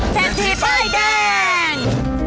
แจ้งที่ไทยแดง